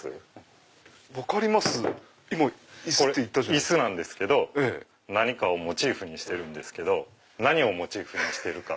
椅子なんですけど何かをモチーフにしてるんです何をモチーフにしてるか。